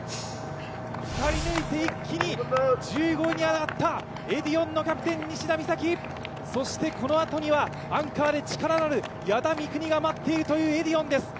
２人抜いて一気に１５位に上がったエディオンのキャプテン・西田美咲そしてこのあとには、アンカーで力のある矢田みくにが待っているエディオンです。